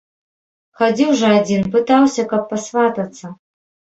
Хадзіў жа адзін, пытаўся, каб пасватацца.